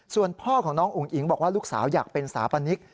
ส่วนพ่อของน้องอุ๋งอิ๋งบอกว่าลูกสาวอยากเป็นสาปนิก